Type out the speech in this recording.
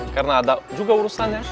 karena ada juga urusannya